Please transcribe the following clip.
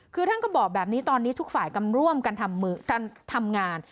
คือท่านก็บอกแบบนี้ตอนนี้ทุกฝ่ายร่วมกันทำงาน